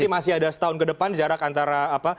masih ada setahun kedepan jarak antara